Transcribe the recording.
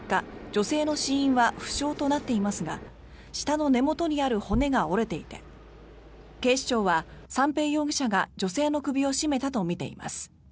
女性の死因は不詳となっていますが舌の根元にある骨が折れていて警視庁は三瓶容疑者が女性の首を絞めたとみています。